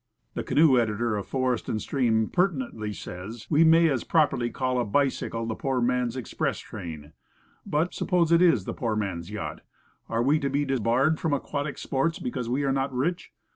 The canoe editor of Forest and Stream pertinently says, "we may as properly call ? 1 30 Woodcraft. bicycle 'the poor man's express train.' " But, sup pose it is the poor man's yacht? Are we to be de barred from aquatic sports because we are not rich?